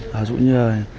ví dụ như là